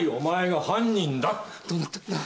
どうなってんだ？